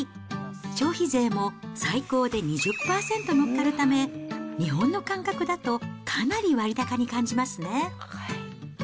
消費税も最高で２０％乗っかるため、日本の感覚だとかなり割高に感じますね。